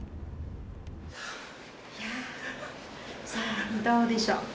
さあどうでしょう？